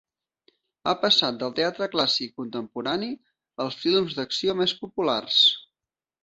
Ha passat del teatre clàssic i contemporani als films d'acció més populars.